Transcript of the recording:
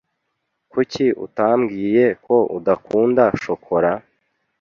Kuki utambwiye ko udakunda shokora?